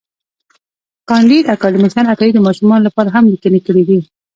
کانديد اکاډميسن عطایي د ماشومانو لپاره هم لیکني کړي دي.